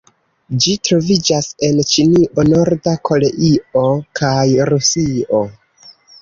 Ĝi troviĝas en Ĉinio, Norda Koreio kaj Rusio.